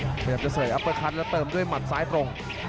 พยายามจะเสยอัปเปอร์คัตแล้วเติมด้วยหมัดซ้ายตรง